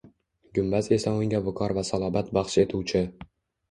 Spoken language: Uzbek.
Gumbaz esa unga viqor va salobat baxsh etuvchi